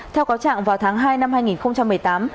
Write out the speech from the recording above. theo cáo trạng vào tháng hai năm hai nghìn một mươi tám